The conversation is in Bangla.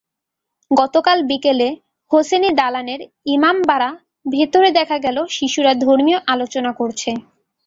গতকাল বিকেলে হোসেনি দালানের ইমাম বাড়া ভেতরে দেখা গেল শিশুরা ধর্মীয় আলোচনা করছে।